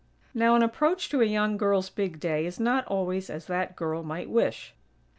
Now, an approach to a young girl's "big day" is not always as that girl might wish.